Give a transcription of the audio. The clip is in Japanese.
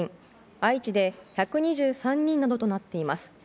愛知で１２３人などとなっています。